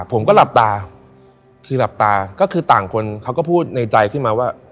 ผมก็หลับตาคือหลับตาก็คือต่างคนเขาก็พูดในใจขึ้นมาว่า